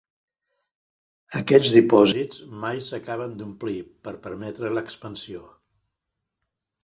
Aquests dipòsits mai s'acaben d'omplir per permetre l'expansió.